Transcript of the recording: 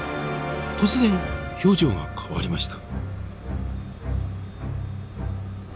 突然表情が変わりました。